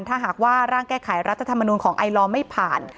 ถ้าหากว่าร่างแก้ไขรัฐธรรมนูลของไอลอร์ไม่ผ่าน